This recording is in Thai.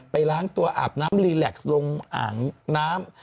ล้างตัวอาบน้ำรีแล็กซ์ลงอ่างน้ำ